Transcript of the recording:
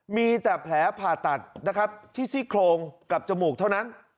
มีแต่แผลผ่าตัดนะครับที่ซี่โครงกับจมูกเท่านั้น